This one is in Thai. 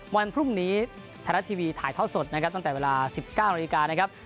วันพรุ่งนี้ธนาทีวีถ่ายทอดสดนะครับตั้งแต่เวลา๑๙นนะครับ